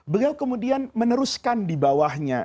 beliau kemudian meneruskan di bawahnya